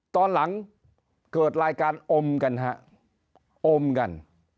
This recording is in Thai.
ตอนหลังเกิดรายการอมกันฮะอมกัน